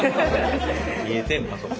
見えてんねんあそこ。